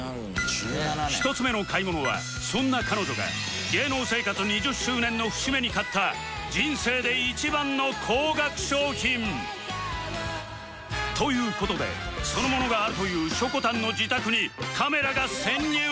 １つ目の買い物はそんな彼女が芸能生活２０周年の節目に買った人生で一番の高額商品という事でその物があるというしょこたんの自宅にカメラが潜入